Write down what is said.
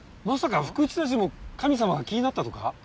まさか福知たちも神様が気になったとか？